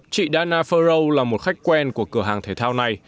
chị dana farrow là một khách quen của cửa hàng thể thao này